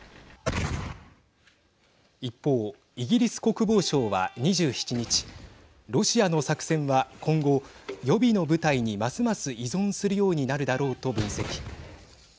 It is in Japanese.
一方、イギリス国防省は２７日ロシアの作戦は今後予備の部隊にますます依存するようになるだろうと分析。